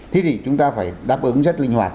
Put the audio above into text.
thế thì chúng ta phải đáp ứng rất linh hoạt